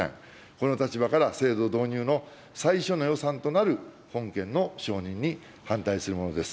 この立場から、制度導入の最初の予算となる本件の承認に反対するものです。